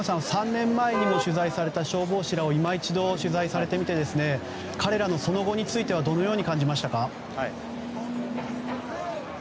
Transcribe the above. ３年前にも取材された消防士らを今一度取材されてみて彼らのその後についてはどのように感じましたか。